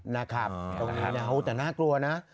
นะครับแต่น่ากลัวนะ